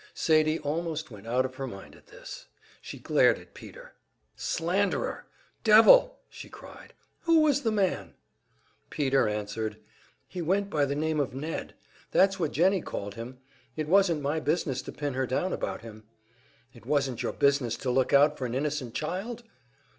Sadie almost went out of her mind at this. She glared at Peter. "Slanderer! Devil!" she cried. "Who was this man?" Peter answered, "He went by the name of Ned. That's what Jennie called him. It wasn't my business to pin her down about him." "It wasn't your business to look out for an innocent child?"